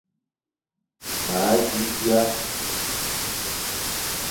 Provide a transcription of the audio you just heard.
Ma zi dia.